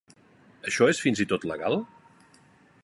Això és fins i tot legal?